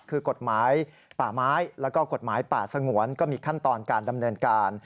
คือกฎหมายป่าไม้แล้วก็กฎหมายป่าสงวนก็มีขั้นตอนการดำเนินการ